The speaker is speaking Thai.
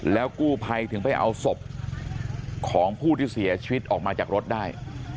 แล้วกู้ภัยถึงไปเอาศพของผู้ที่เสียชีวิตออกมาจากรถได้